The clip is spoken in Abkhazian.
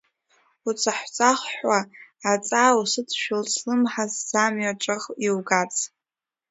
Уцаҳәцаҳәуа аҵаа усыдшәылт, слымҳа, сӡамҩа ҿых иугарц.